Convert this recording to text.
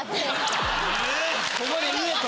ここで言えと？